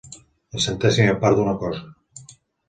La centèsima part d'una cosa.